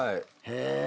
へえ。